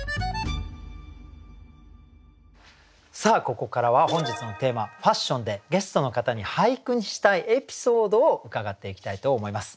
ここからは本日のテーマ「ファッション」でゲストの方に俳句にしたいエピソードを伺っていきたいと思います。